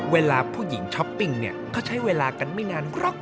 เวลาผู้หญิงช้อปปิ้งเนี่ยเขาใช้เวลากันไม่นานหรอก